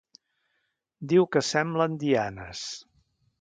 Diu que semblen dianes.